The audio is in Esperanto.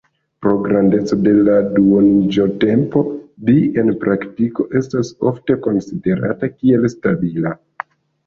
Pro grandeco de la duoniĝotempo, Bi en praktiko estas ofte konsiderata kiel stabila.